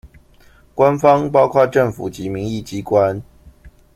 官方包括政府及民意機關